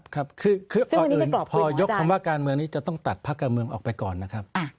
ครับคือก่อนอื่นพอยกคำว่าการเมืองนี้จะต้องตัดภาคการเมืองออกไปก่อนนะครับ